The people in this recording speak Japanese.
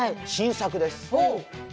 新作です。